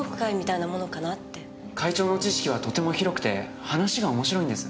会長の知識はとても広くて話が面白いんです。